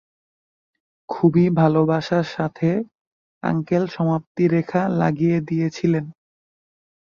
খুবই ভালোবাসার সাথে আঙ্কেল সমাপ্তিরেখা লাগিয়ে দিয়েছিলেন।